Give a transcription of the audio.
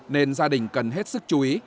nên gia đình cần hết sức chú ý